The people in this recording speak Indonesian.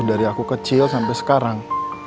dari aku kecil sampai sekarang